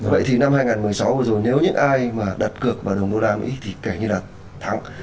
vậy thì năm hai nghìn một mươi sáu vừa rồi nếu những ai mà đặt cược vào đồng đô la mỹ thì kể như là thắng